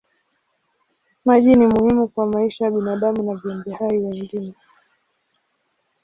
Maji ni muhimu kwa maisha ya binadamu na viumbe hai wengine.